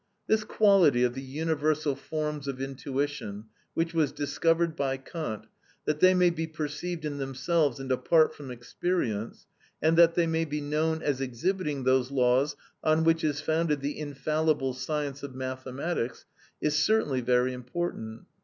This quality of the universal forms of intuition, which was discovered by Kant, that they may be perceived in themselves and apart from experience, and that they may be known as exhibiting those laws on which is founded the infallible science of mathematics, is certainly very important.